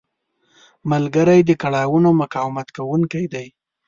ملګری د کړاوونو مقاومت کوونکی دی